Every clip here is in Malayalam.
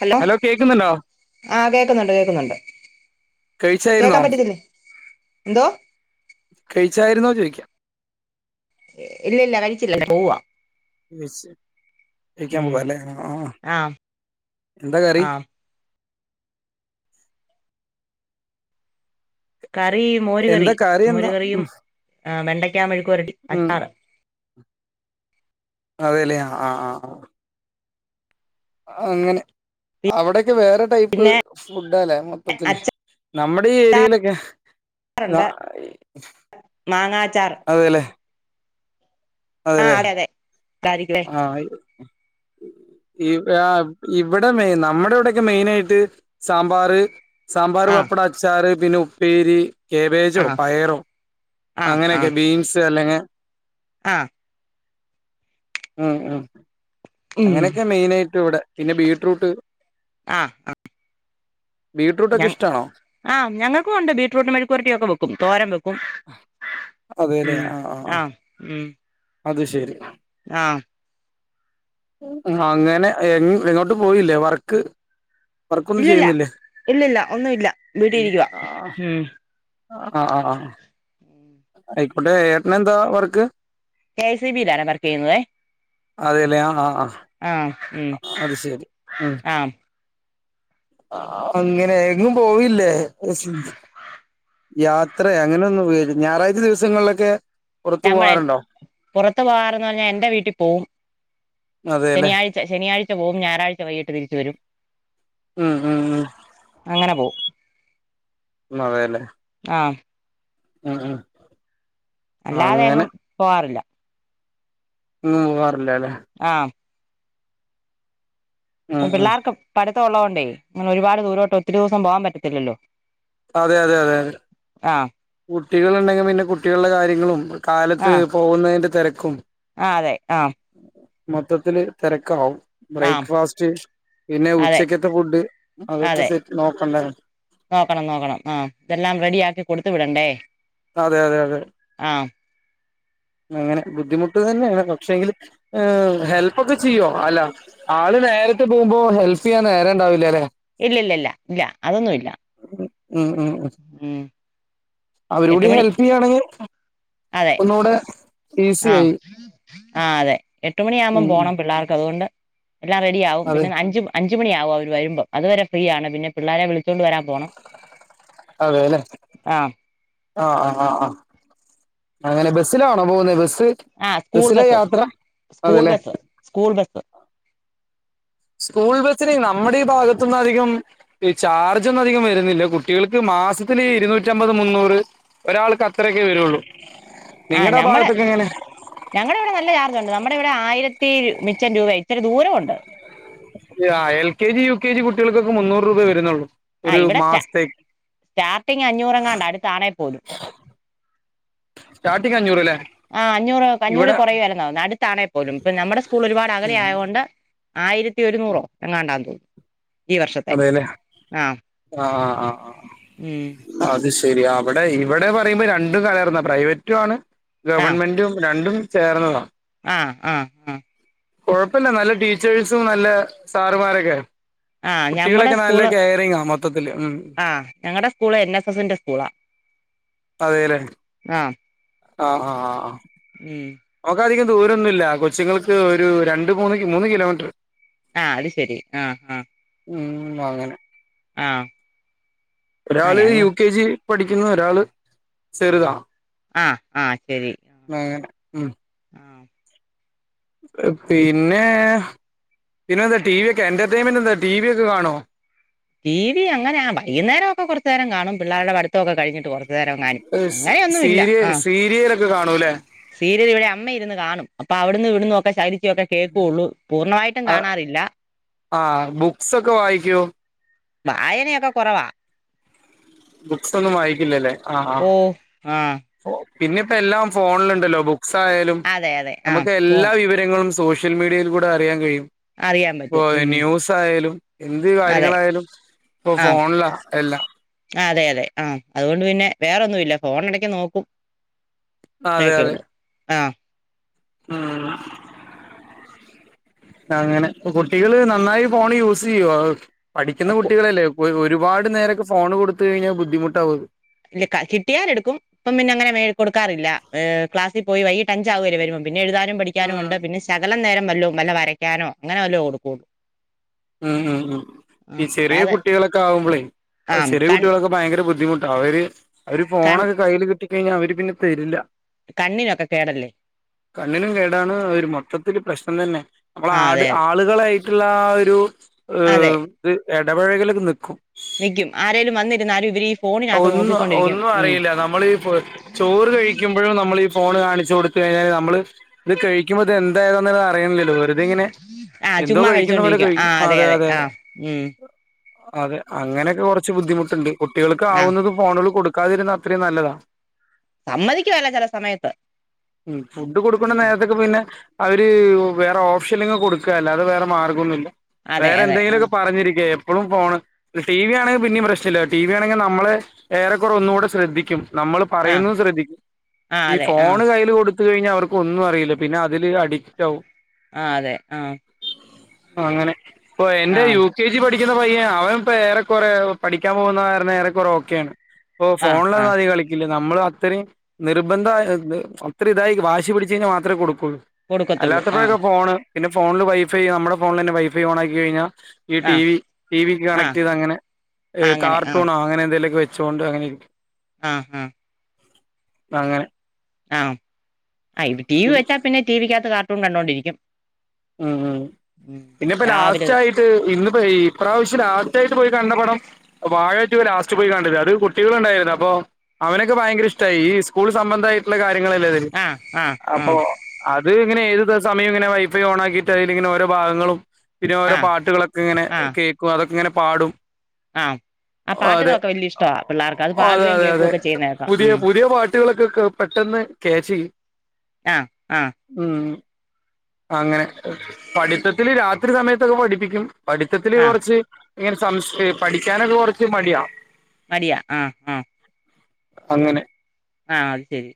ഹലോ ആഹ്, കേക്കുന്നുണ്ട് കേൾക്കുന്നുണ്ട്. കഴിച്ചായിരുന്നോ കേൾക്കാൻ പറ്റത്തില്ലേ എന്തോ? കഴിച്ചായിരുന്നോ ചോയിക്കാ. ഇല്ലില്ല കഴിചീല്ല പോവാ. മെസ്സി ജയിക്കാൻ ഉം പോവാല്ലേ ആഹ് എന്താ കറി? ആഹ് കറി മോരുകറി എന്താ കറി എന്താ മോരുകറിയും ഉം ആ വെണ്ടയ്ക്കാ മെഴുക്കുരട്ടി ഉം അച്ചാറ്. അതെല്ലെ ആഹ് ആ ആ. അങ്ങനെ അവടൊക്കെ വേറെ ടൈപ്പ് പിന്നെ ഫുഡ്ഡലേ മൊത്തത്തില് നമ്മടെ ഈ ഏരിയലൊക്കേ റാ ആയി മാങ്ങാചാർ. അതെല്ലേ. ആഹ് അതെ അതെ [unintelligible] ആഹ് ആയിയത് ഇവടെ മെയ് നമ്മടെ ഇവടൊക്കെ മെയിൻ ആയിട്ട് സാമ്പാറ് സാമ്പാറ് ആഹ് പപ്പടം അച്ചാറ് പിന്നെ ഉപ്പേരി കേബേജോ, ആഹ് പയറോ, ആഹ് അങ്ങനെയൊക്കെ ആഹ് ബീൻസ് അല്ലെങ്കി ആഹ്. ഉം ഉം ഉം അങ്ങനെക്കെ മെയിൻ ആയിട്ട് ഇവടെ പിന്നെ ബീറ്റ്റൂട്ട് ആഹ് ആഹ് ഞ ആഹ് ഞങ്ങൾക്കും ഉണ്ട് ബീറ്റ്റൂട്ട് മെഴുക്കുപുരട്ടിയൊക്കെ വെയ്ക്കും, തോരം വെയ്ക്കും അതെലേ ആ ആ. ആ ആഹ് ഉം അത് ശരി ആഹ് അങ്ങനെ എങ്ങോട്ട് പോയില്ലേ വർക്ക് വർക്കൊന്നും ഇല്ലില്ല ചെയ്യുന്നില്ലേ ഇല്ലില്ല ഒന്നുമില്ല വീട്ടിലിരിക്കുവാ ആ ഉം ആഹ് ആഹ് ആഹ് ആയിക്കോട്ടെ ഏട്ടന് എന്താ വർക്ക് കെ ഐസി ബി യിലാണ് വർക്കെയ്യുന്നതേ അതെല്ലേ ആഹ് ആഹ് ആഹ് ഉം അത് ശരി ഉം ആഹ് ആ അങ്ങനെ എങ്ങും പോവില്ലേ യാത്ര അങ്ങനെ ഒന്നു പോയില്ല ഞായറാഴ്ച ദിവസങ്ങളിലൊക്കെ പുറത്തു നമ്മൾ പോവാറുണ്ടോ പുറത്ത് പോകാറെന്ന് പറഞ്ഞാൽ എന്റെ വീട്ടിൽ പോവും അതെല്ലേ ശനിയാ ശനിയാഴ്ച പോവും ഞായറാഴ്ച വൈകിട്ട് തിരിച്ച് വരും. ഉം ഉം അങ്ങനെ പോവും മതേല്ലേ ആഹ് അഹ് ആഹ് അല്ലാതെ എങ്ങും പോവാറില്ല ഉം ഉവാറ്ല്ലലെ ആഹ് ഉം ഉം പിള്ളേർക്ക് പഠ്ത്തം ഉള്ളതുകൊണ്ടേ അങ്ങനെ ഒരുപാട് ദൂരോട്ട് ഒത്തിരി ദിവസം പോകാൻ പറ്റത്തില്ലല്ലോ അതെ അതെ അതെ ആഹ് കുട്ടികൾ ഉണ്ടെങ്കിൽ പിന്നെ കുട്ടികളുടെ കാര്യങ്ങളും കാലത്ത് ആഹ് പോകുന്നതിന്റെ തിരക്കും ആഹ് അതെ ആ മൊത്തത്തില് തിരക്ക് ആവും ആഹ് ബ്രേക്ക്ഫാസ്റ്റ് പിന്നെ അതെ ഉച്ചക്കത്തെ ഫുഡ് അതൊക്കെ അതെ സെറ്റ് നോക്കണ്ടേ നോക്കണം നോക്കണം ആ ഇതെല്ലാം റെഡി ആക്കി കൊടുത്തു വിടണ്ടേ അതെ അതെ അതെ ആ അങ്ങനെ ബുദ്ധിമുട്ട് തന്നെയാണ് പക്ഷെ എങ്കിൽ ഹെൽപ് ഒക്കെ ചെയ്യോ അല്ലെ ആള് നേരത്തെ പോവുമ്പോ ഹെൽപ് ചെയ്യാൻ നേരെ ഉണ്ടാവില്ല ലേ ഇല്ല ഇല്ല ഇല്ല ഇല്ല അതൊന്നുല്ല ഉം അവർ എട്ട് കൂടി മണി ഹെൽപ് ചെയ്യാണെങ്കിൽ അതെ ഒന്നൂടെ ആ ആ അതെ എട്ടുമണി ആവുമ്പോൾ ഉം ഉം പോണം പിള്ളേർക്ക് അതുകൊണ്ട് എല്ലാം റെഡിയാവും അതെ പിന്നെ അഞ്ച് അഞ്ചുണിയാവും അവര് വര്മ്പം അത് വരെ ഫ്രീയാണ് പിന്നെ പിള്ളാരെ വിളിച്ചോണ്ട് വരാൻ പോണം. അതെലേ ആഹ് ആഹ് ആഹ് ആഹ് ആഹ് അങ്ങനെ ബെസ്സിലാണോ പോകുന്നെ? ബെസ് ത് ആഹ് സ്കൂൾ ബെസിലാ ബസ് യാത്ര അതെ സ്കൂൾ ലേ ബസ് സ്കൂൾ ബെസ്സ് സ്കൂൾ ബെസിനെ നമ്മടെ ഈ ഭാഗത്ത്ന്ന് അധികം ഈ ചാർജൊന്നും അധികം വര്ന്നില്ല കുട്ടികൾക്ക് മാസത്തില് ഇരുന്നൂറ്റമ്പത് മുന്നൂറ് ഒരാൾക്ക് അത്രയൊക്കെ വരൊള്ളൂ ആ നമ്മടെ ഞങ്ങടെ ഇവ്ടെ നല്ല ചാർജൊണ്ട് നമ്മടെ ഇവ്ടെ ആയ്രത്തി മിച്ചം രൂപ ഇത്തരി ദൂരം ഒണ്ട്. ആഹ് L K G U K G കുട്ടികൾക്കൊക്കെ മുന്നൂറ് രൂപെ വര്ന്നൊള്ളൂ. ആഹ് ഇവ്ടെ സ്റ്റ സ്റ്റാർട്ടിങ്ങ് അഞ്ഞൂറങ്ങാണ്ട അടുത്താണേ പോലും. സ്റ്റാർട്ടിംഗ് അഞ്ഞൂറ് ലേ. ആഹ് അഞ്ഞൂറ് അഞ്ഞൂറ് കൊറയിയാര്ന്നോ നാട്ട്ത്താണേ പോലും ഇപ്പൊ നമ്മടെ സ്കൂൾ ഒര്പാട് അകലെ ആയകൊണ്ട് ആയിരത്തിഒര്ന്നൂറോ യെങ്ങാണ്ടാതോന്നുന്നു. അതെലേ ആഹ് ആഹ് ആഹ് ഉം ആഹ്. അത് ശെരി. അവ്ടെ ഇവ്ടെ പറയ്മ്പ രണ്ടും കലർന്നാ പ്രൈവറ്റും ആണ്. ആഹ് ഗവൺമെന്റും രണ്ടും ചേർന്നതാ ആഹ് ആഹ് ആഹ് കൊഴപ്പല്ല നല്ല ടീച്ചേഴ്സും നല്ല സാറുമാരൊക്കെ. ആഹ് ഞമ്മടെ കുട്ടികളൊക്കെ നല്ല സ്കൂള് കെയറിങ് ആ മൊത്തത്തില് ഉം ആഹ് ഞങ്ങടെ സ്കൂള് എൻ എസ് എസിന്റെ സ്കൂളാ അതെലേ. ആഹ് ആഹ് ആഹ് ആഹ് ആഹ് ഉം ഓക്കധികം ദൂരം ഒന്നുല്ല കൊച്ചുങ്ങൾക്ക് ഒര് രണ്ട് മൂന്ന് മൂന്ന് കിലോമീറ്റർ. ആഹ് അത് ശെരി ആഹ് ആഹ് ഉം അങ്ങനെ ആഹ് ആഹ് ഒരാള് ഞങ്ങ യു കെ ജി പഠിക്കുന്നു. ഒരാള് ചെറുതാ ആഹ് ആഹ് ശെരി. അങ്ങനെ ഉം ആഹ് പിന്നെ പിന്നെ എന്താ ടി വി യൊക്കെ എന്റർടൈൻമെന്റ് എന്താ ടി വി യൊക്കെ കാണോ? ടി വി അങ്ങനെ വൈന്നേരം ഒക്കെകൊറച്ച് നേരം കാണും പിള്ളാര്ടെ പഠ്ത്തം ഒക്കെ കഴ്ഞ്ട്ട് കൊറച്ച്നേരംകാണും എ സ് സീരിയ സീരിയലൊക്കെ കാണൂലേ? സീരിയൽ ഇവ്ടെ അമ്മ ഇര്ന്ന് കാണും അപ്പ അവ്ട്‌ന്ന് ഇവ്ട്‌ന്നൊക്കെ ശകലിച്ചൊക്കെ കേക്കെള്ളൂ പൂർണ്ണമായ്ട്ടും കാണാറില്ല. ആഹ് ബുക്സൊക്കെ വായ്ക്കോ? വായനയൊക്കെ കൊറവാ. ബുക്സ് ഒന്നും വായിക്കില്ലലേ ആഹ് ആഹ്. ഓ ആഹ് ഫോ പിന്നെപ്പോ എല്ലാം ഫോണില്ണ്ടല്ലോ ബുക്സായാലും അതെ അതെ ആഹ് നമക്ക് ഫോൺ എല്ലാ വിവ ര്യങ്ങളും സോഷ്യൽ മീഡിയൽ കൂടെ അറിയാൻ കഴിയും. അറിയാൻ പ്പോ പറ്റും ഉം ന്യൂസ് ആയാലും എന്ത് അതെ കാര്യങ്ങളായാലും. ഇപ്പോ ആഹ് ഫോണിലാ എല്ലാം. ആഹ് അതെയതെ ആ തോണ്ട് പിന്നെ വേറെന്നുല്ല ഫോണെടയ്ക്ക് നോക്കും. ഒറ്റക്കൊള്ളൂ ആഹ്. ആഹ് അങ്ങനെ കുട്ടികള് നന്നായി ഫോണ് യൂസ് ചെയുവോ ആഹ് പഠിക്കുന്നകുട്ടികളല്ലേ? ഒര്പാട് നേരക്കെ ഫോൺ കൊടുത്ത കഴിഞ്ഞാ ബുദ്ധിമുട്ടാവു ഇല്ല കൈ കിട്ടിയാല് എട്‌ക്കും. ഇപ്പം പിന്നെങ്ങനെ മേല് കൊടുക്കാറില്ല ഏഹ് ക്ലാസി പോയി വൈക്കിട്ട് അഞ്ചാവും വരുമ്പോ പിന്നെഴുതാ പഠിക്കാനും ഉണ്ട് പിന്നെ ശകലം നേരം വല്ലോ വല്ല വരക്കാനോ അങ്ങനെ വല്ലോകൊടുക്കും ഉം ഉം ഉം ഈ ചെറിയ അല്ലാതെ കുട്ടികളൊക്കെ ആവുമ്പോളേ ആ ചെറിയ കൺ കുട്ടികളൊക്കെ ഭയങ്കര ബുദ്ധിമുട്ടാ അവര് അവര് കൺ ഫോണൊക്കെ കയ്യില് കിട്ടിക്കഴിഞ്ഞാൽ അവര് പിന്നെ തരില്ല. കണ്ണിനൊക്കെ കേടല്ലേ കണ്ണിനും കേടാണ് ഒരു മൊത്തത്തില് പ്രശ്നം തന്നെ. നമ്മൾ ആ ആട് അതെ ആള് ങ്ങളെയിട്ടുള്ള ആ ഒരു അതെ എടപഴകലൊക്കെ നിക്കും. നിക്കും ആരേലും വന്നിരുന്നാലും ഇവരീ ഒന്നും ഒന്നും അറിയില്ല നമ്മൾ ഈ ചോറ് കഴിക്കും എപ്പോഴും നമ്മൾ ഈ ഫോൺ കാണിച്ച് കൊടുത്ത് കഴിഞ്ഞാല് നമ്മള് ഇത് കഴിക്കുമ്പോ ഇത് എന്താ ഏതാ അറിയണി വെറുതെ ഇങ്ങനെ ആ എന്തോ ചുമ്മാ കഴിക്കുന്ന പോലെ കഴിച്ചോണ്ടിരിക്കും ആ കഴിക്കും അതെ അതെ ആ അതെ ഉം അതെ അങ്ങനെയൊക്കെ കുറച്ച് ബുദ്ധിമുട്ടുണ്ട് കുട്ടികൾക്ക് ആ ആവുന്നതും ഫോണുകൾ കൊടുക്കാതിരുന്നാ അത്രയും നല്ലതാ സമ്മതിക്കുവല്ല ചെല സമയത്ത് ഉ ഫുഡ് കൊടുക്കുണ നേരത്തൊക്ക പിന്നെ അവര് വേറെ ഓപ്ഷനുകൾ കൊടുക്ക അല്ലാതെ വേറെ മാർഗം ഒന്നുയില്ല അതെ വേറെ അതെ എന്തെങ്കിലു ആ ഒകെ പറഞ്ഞിരിക്കാ എപ്പോഴും ഫോണ് ടി വി ആണെങ്കിൽ പിന്നെയും പ്രശ്നയില്ല ടി വി ആണെങ്കിൽ നമ്മള് ഏറെക്കുറെ ഒന്നുകൂടെ ശ്രദ്ധിക്കും നമ്മളും ആ പറയുന്നത് ശ്രദ്ധി ആ ഈ അതെ ആ ഫോൺ കയ്ല് കൊടു ത്ത് കഴിഞ്ഞാൽ അവർക്ക് ഒന്നും അറിയില്ല പിന്നെ അതില് അഡിക്റ്റ് ആകും. ആ അതെ ആ അങ്ങനെ ഇപ്പൊ ആ എന്റെ യു കെ ജി പഠിക്കുന്ന പയ്യനാ അവൻപ്പ ഏറെകുറെ പഠിക്കാൻ പോകുന്ന കാരണം ഏറെ കുറെ ഒകെയാണ് ഓ ആ ആ ഫോണിലന്നും അധികം കളിക്കില്ല നമ്മൾ അത്രയും നിർബന്ധ ആയി അത്ര ഇതായി വാശി പിടച്ച് കഴിഞ്ഞാൽ മാത്ര കൊടുകൊള്ളും കൊടുക്കത്തുള്ളൂ ആ അല്ലാത്തപ്പോഴൊക്കെ ഫോണ് പിന്നെ ഫോണിൽ വൈഫൈ നമ്മുടെ ഫോണിൽ തന്നെ വൈഫൈ ഓണക്കി കഴിഞ്ഞാൽ ഈ ആ ടി വി ടി വിക്ക് ആ കണക്ട് ചെയ്ത അങ്ങനെ ആ അങ്ങനെ ആ കാർട്ടൂണോ അങ്ങനെ എന്തെലുമൊക്കെ വെച്ചുകോണ്ട് അങ്ങനെരിക്കും ആഹ് ഹഹ അങ്ങനെ ആഹ് ഇപ്പ ടി വി വെച്ചാൽ പിന്നെ ടി വി ക്കകത്ത് കാർട്ടൂൺ കണ്ടുകൊണ്ടിരിക്കും. ഉം ഉ പിന്നെപ്പ ലാസ്റ്റ് തൊട്ട് ആയി ട്ട് ഇന്ന് ഇപ്പം ഈപ്രാവശ്യം ലാസ്റ്റായിട്ട് പോയി കണ്ട പടം വാഴ റ്റു ലാസ്റ്റ് പോയി കണ്ടിനത് അത് കുട്ടികളും ഉണ്ടായിരുന്നു അപ്പോ അവരോക്കെ ഭയങ്കര ഇഷ്ടമായി ഈ സ്കൂൾ സംബന്ധമായിട്ടുള്ള കാര്യങ്ങളല്ലേ അത് ആ ആ ആ അപ്പൊ അത് ഇങ്ങനെ ഏത് സമയം ഇങ്ങനെ വൈ ഫൈ ഓണക്കിട്ട് അതിലിങ്ങെനെ ഓരോ ഭാഗങ്ങളും പിന്നെ ഓരോ ആ പാട്ടുകളൊക്കെ ഇങ്ങനെ കേ ക്കുംഅതൊക്കെങ്ങനെ പാടും ആഹ് ഓ അതെ ഓ അതെ പാടുകയും അതെ അതെ കേൾക്കുകയൊക്കെ ചെയ്യുന്ന കേക്കാം പുതിയ ഉം പുതിയ പാട്ടുകളൊക്കെ പെട്ടെന്ന് ക്യാച്ച് ചെയ്യും ആഹ് ആഹ് ഉം അങ്ങനെ പഠിത്തത്തില് രാത്രി സമയത്തൊക്കെ പഠിപ്പിക്കും പഠിത്തത്തില് ആ കുറച്ച് ഇങ്ങനെ സം പഠികാനൊക്കെ കൊറച്ച് മടിയാ മടിയാ ആഹ് ആഹ അങ്ങനെ ആഹ് ശെരി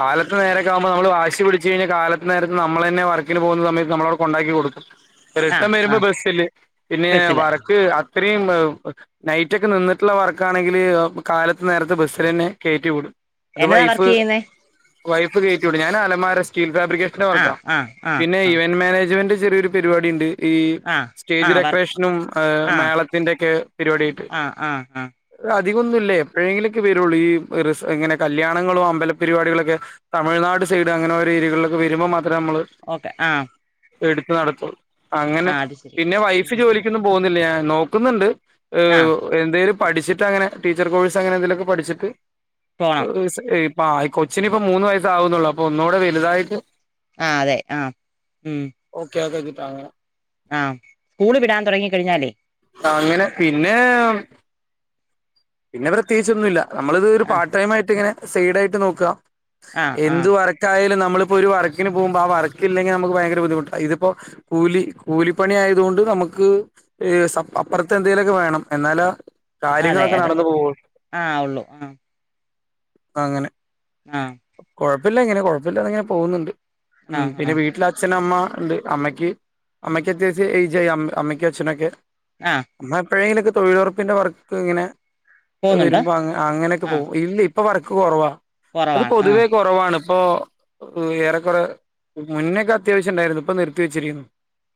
കാലത്ത് നേരക്കെ ആമ്പോ നമ്മള് വാശി പിടിച്ച് കഴിഞ്ഞാൽ കാലത്ത് നേരത്ത് നമ്മള് തന്നെ വർക്കിന് പോന്ന സമയത്ത് നമ്മളുത്തന്നെ കൊണ്ടാക്കി കൊടുക്കും. ആ റിട്ടേൺ ആ വരുമ്പോ ബസില് പിന്നെ ബസ്സില് വറക്ക് അത്രയും നൈറ്റ്ക്കെ നിന്നിട്ടുള്ള വർക്കാണെങ്കില് എ് കാലത്ത് നേർത്തെ ബസ്സിലന്നെ കേറ്റി വിടും അത് എന്നതാ വൈഫ് വർക്കീയ്യുന്നേ വൈഫ് കേറ്റിവിടും ഞാൻ അലമാര സ്റ്റീൽ ഫാബ്രിക്കേഷന്റെ ആ വർക്കാ ആ ആ പിന്നെ ആ ഇവന്റ് മാനേജ്മെന്റ് ചെറിയൊരു പരിപാടി ഇണ്ട്. ഈ ആ ആ സ്റ്റേജ് വർക്ക് ഡെക്കറേഷനും എ് ആ മേളത്തിൻ്റെക്കെ പരിപാട്യായിട്ട് ആ ആ ആ എ് അധികൊന്നു ഇല്ലേ എപ്പോഴെങ്കിലൊക്കെ വരുള്ളൂ ഈ റിസ് ഇങ്ങനെ കല്യാണങ്ങളോ അമ്പല പരിപാടിക്കളൊക്കെ തമിഴ്നാട് സൈഡ് അങ്ങനെ ഓരോ ഏരികളിലക്കെ വരുമ്പോൾ മാത്രേ നമ്മള് ഓക്കെ ആഹ് എടുത്ത് നടത്തും അങ്ങനെ അത് ശരി പിന്നെ വൈഫ് ഉം ജോലിക്കൊന്നും പോവുന്നില്ല്യ നോക്കുന്നുണ്ട് ആ ഏഹ് എന്തേലും പഠിച്ചിട്ടങ്ങനെ ടീച്ചർ കോഴ്സ് അങ്ങനെ എന്തെലൊക്കെ പഠിച്ചിട്ട് പോണം എ് സ് ഈ പ്പാ കൊച്ചിന് ഇപ്പ മൂന്ന് വയസ്സ് ആവുന്നുള്ളൂ അപ്പൊ ഒന്നൂടെ വലുതായിട്ട് ആഹ് അതെ ആഹ് ഉം ഓക്കെ ആക്കാച്ചിട്ടാ അങ്ങനെ ആഹ് സ്കൂളിവിടാൻ തൊടങ്ങിക്കഴിഞ്ഞാലേ അങ്ങനെ പിന്നെ പിന്നെ പ്രത്യേകിച്ച് ഒന്നുല്ല നമ്മളത് ഒരു ആഹ് പാർട്ട് ടൈം ആയിട്ട് ഇങ്ങനെ സൈഡ് ആയിട്ട് നോക്ക ആഹ് എന്തു ആഹ് വർ ക്കായാലും നമ്മളിപ്പോ ഒരു വർക്കിന് പോവുമ്പോ ആ വർക്കില്ലെങ്കിൽ നമുക്ക് ഭയങ്കര ബുദ്ധിമുട്ട ഇതിപ്പോ കൂലി കൂലിപ്പണി ആയതുകൊണ്ട് നമുക്ക് ഈ സപ് അപ്പറത്ത് എന്തെലൊക്കെ വേണം എന്നാല അതെ കാര്യങ്ങളൊക്കെ അതെ നടന്ന് പോവുള്ളു ആഹ് ഉള്ളൂ ആഹ് അങ്ങനെ മ് കൊഴപ്പില്ല ഇങ്ങനെ കൊഴപ്പില്ലാതിങ്ങനെ പോവുന്നുണ്ട് ഉം ആഹ് പിന്നെ ആഹ് വീട്ടില് അ ച്ഛൻ അമ്മ ഇണ്ട് അമ്മക്ക് അമ്മയ്ക്കത്യാവശ്യം എയ്ജ് ആയി അമ്മ അമ്മയ്ക്ക് അച്ഛനൊക്കെ ആഹ് മ്മ എപ്പോഴെങ്കിലൊക്കെ തൊഴിലുറപ്പിന്റെ വർക്ക് ഇങ്ങനെ പോകുന്നുണ്ട് വരുമ്പോ അങ്ങ അങ്ങനെക്കെ ആഹ് പോവും ഇല്ല ഇപ്പൊ വർക്ക് കൊറവാ അത് കുറവാണ് ആഹ് പൊതുവേ കൊ റവാണ് ഇപ്പോ ഏറെക്കൊറെ ക്ക് മുന്നക്കെ അത്യാവശ്യം ഇണ്ടായിരുന്നു ഇപ്പൊ നിർത്തി വെച്ചിരിക്കുന്നു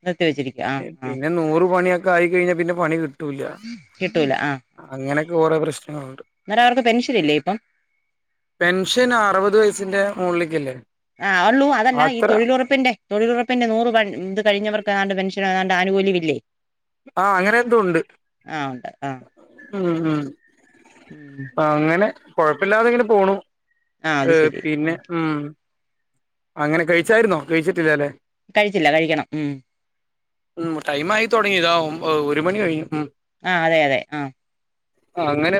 നിർത്തി വെച്ചിരിക്കുക ആഹ് എ ആഹ് പിന്നെ നൂറ് പണ്യൊക്കെ ആയിക്കഴിഞ്ഞാ പിന്നെ പണി കിട്ടൂല്ല കിട്ടൂല ആഹ് അങ്ങനൊക്കെ കുറെ പ്രശ്നങ്ങളുണ്ട് എന്നാലവർക്ക് പെൻഷനില്ലേ ഇപ്പം പെൻഷൻ അറുവത് വയസ്സിന്റെ മോളിലേക്കല്ലേ ആഹ് അള്ളു അതല്ല ഈ തൊഴിലോറ പ്പിന്റെ തൊഴിലുറപ്പിന്റെ നൂറ് പ ഇത് കഴിഞ്ഞവർക്ക് ങ്ങാണ്ട് പെൻഷനോ ഏങ്ങാണ്ട് ആനുകൂല്യവില്ലേ ആഹ് അങ്ങനെ എന്തോ ഉണ്ട് ആഹ് ഉണ്ട് ആഹ് ഉം ഉം ഉം അങ്ങനെ കൊഴപ്പില്ലാതെ ഇങ്ങനെ പോണു ആഹ് അത് എ് ശരി പിന്നെ ഉം അങ്ങനെ കഴിച്ചായിരുന്നോ കഴിച്ചിട്ടില്ലലേ കഴിച്ചില്ല കഴിക്കണം ഉം ഉം ടൈം ആയി തുടങ്ങി താ ഒമ്പ ഒരു മണി കഴിഞ്ഞു ഉം ആഹ് അതെ അതെ ആഹ് ആഹ് അങ്ങനെ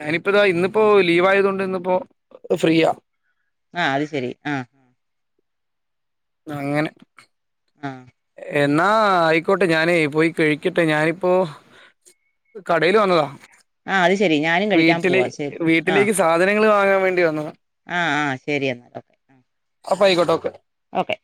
ഞാനിപ്പോ ഇതാ ഇന്നിപ്പോ ലീവ് ആയതോണ്ട് ഇന്നിപ്പോ ഫ്രീയാ ആ അത് ശരി അ അങ്ങനെ ഉം എന്നാ ആയിക്കോട്ടെ ഞാനേ പോയി കഴിക്കട്ടെ ഞാനിപ്പോ കടേല് വന്നതാ ആഹ് അത് ശരി ഞാനും കഴിക്കാൻ വീട്ടില് പോവാ ശരി വീട്ടിലേക്ക് സാ ധനങ്ങള് വാങ്ങാൻ വേണ്ടി വന്നതാ ആ ആ ശരി എന്നാൽട്ടോ. ആപയിക്കോട്ടെ ഒക്കെ. ഓക്കെ.